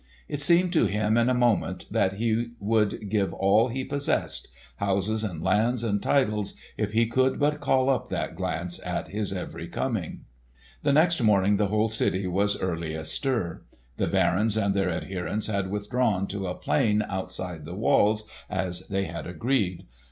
It seemed to him in a moment that he would give all he possessed—houses and lands and titles—if he could but call up that glance at his every coming! The next morning the whole city was early astir. The barons and their adherents had withdrawn to a plain outside the walls as they had agreed.